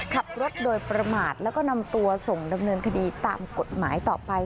ขับรถโดยประมาทแล้วก็นำตัวส่งดำเนินคดีตามกฎหมายต่อไป